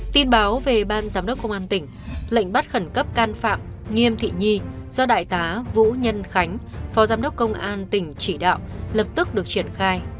tin báo về ban giám đốc công an tỉnh lệnh bắt khẩn cấp can phạm nghiêm thị nhi do đại tá vũ nhân khánh phó giám đốc công an tỉnh chỉ đạo lập tức được triển khai